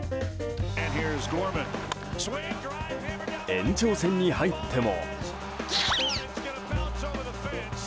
延長戦に入っても。